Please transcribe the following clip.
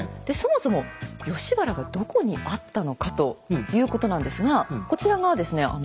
でそもそも吉原がどこにあったのか？ということなんですがこちらがですね